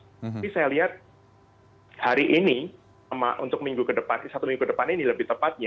tapi saya lihat hari ini untuk satu minggu ke depan ini lebih tepatnya